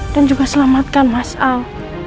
dan juga selamatkan mas al